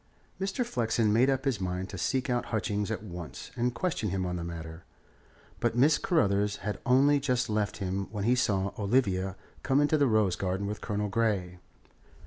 Mr. Flexen made up his mind to seek out Hutchings at once and question him on the matter; but Mrs. Carruthers had only just left him when he saw Olivia come into the rose garden with Colonel Grey.